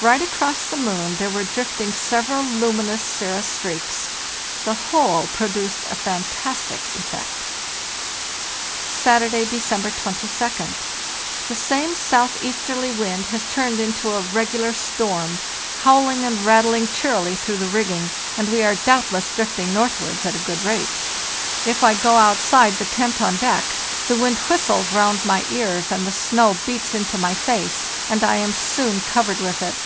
Right across the moon there were drifting several luminous cirrhus streaks. The whole produced a fan tastic effect. "Saturday, December 22d. The same southeasterly wind has turned into a regular storm, howling and rat tling cheerily through the mgging, and we are doubtless drifting northward at a good rate. If I go outside the tent on deck, the wind whistles round my ears, and the snow beats into my face, and I am soon covered with it.